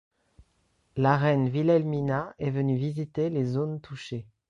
La Reine Wilhelmina est venue visiter les zones touchées.